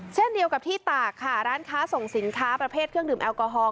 เช่นเดียวกับที่ตากค่ะร้านค้าส่งสินค้าประเภทเครื่องดื่มแอลกอฮอล